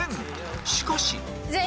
しかし